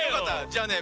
じゃあね